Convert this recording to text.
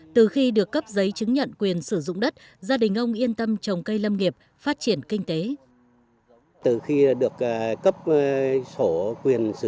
từ khi được cấp giấy chứng nhận quyền sử dụng đất gia đình ông yên tâm trồng cây lâm nghiệp phát triển kinh tế